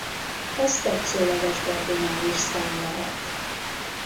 Ez tetszőleges kardinális szám lehet.